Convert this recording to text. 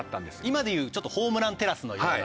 今でいうちょっとホームランテラスのようなね。